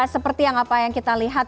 seperti yang apa yang kita lihat